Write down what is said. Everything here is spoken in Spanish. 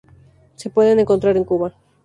Se pueden encontrar en Cuba.